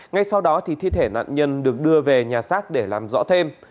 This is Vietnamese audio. ngay sau đó thi thể nạn nhân được đưa về nhà xác để làm rõ thêm